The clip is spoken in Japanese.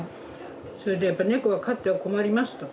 それでやっぱり猫は飼っては困りますと。